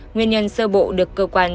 nguyên nhân sơ bộ được cơ quan